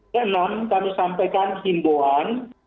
keenam kami sampaikan himbuan